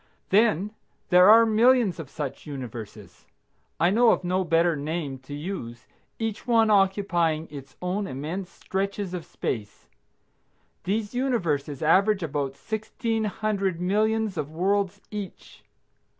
Then there are millions of such universes, (I know of no better name to use) each one occupying its own immense stretches of space. These universes average about sixteen hundred millions of worlds each.